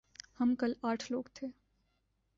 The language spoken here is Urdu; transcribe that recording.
ہم کل آٹھ لوگ تھے ۔